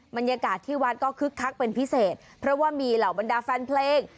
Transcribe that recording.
บรรยากาศที่วัดก็คึกคักเป็นพิเศษเพราะว่ามีเหล่าบรรดาแฟนเพลง